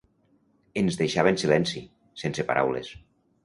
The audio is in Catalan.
Ens deixava en silenci, sense paraules.